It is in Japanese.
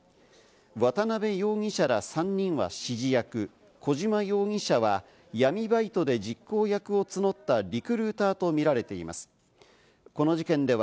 渡辺容疑者ら３人は指示役、小島容疑者は闇バイトで実行役を募ったリクルーターとみられています。